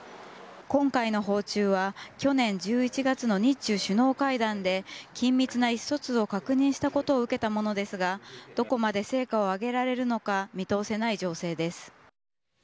今回の訪中は去年１１月の日中首脳会談で緊密な意思疎通を確認したことを受けたものですがどこまで成果を上げられるのか見通せない情勢です。